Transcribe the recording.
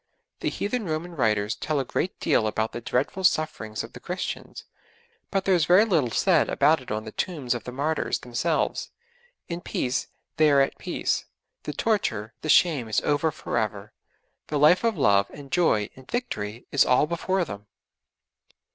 The heathen Roman writers tell a great deal about the dreadful sufferings of the Christians, but there is very little said about it on the tombs of the martyrs themselves. In peace; they are at peace: the torture, the shame is over for ever; the life of love and joy and victory is all before them.